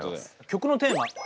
曲のテーマ。